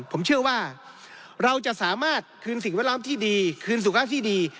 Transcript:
ผมเชื่อว่าเราจะสามารถคืนสิ่งแวดล้อมที่ดีคืนสุขภาพที่ดี